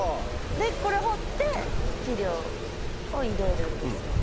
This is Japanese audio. でこれ掘って肥料を入れるんですよね？